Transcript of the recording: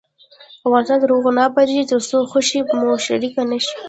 افغانستان تر هغو نه ابادیږي، ترڅو خوښي مو شریکه نشي.